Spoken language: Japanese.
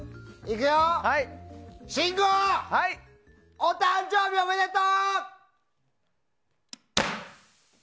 信五、お誕生日おめでとう！